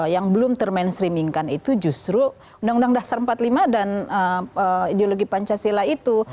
yang belum ter mainstreamingkan itu justru undang undang dasar empat puluh lima dan ideologi pancasila itu